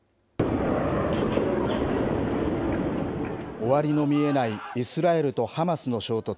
終わりの見えないイスラエルとハマスの衝突。